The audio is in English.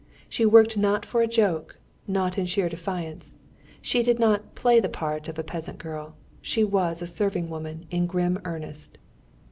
She worked not for a joke, not in sheer defiance; she did not play the part of a peasant girl, she was a serving woman in grim earnest.